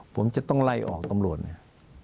ผมจะต้องไล่ออกตำรวจเนี่ย